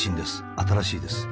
新しいです。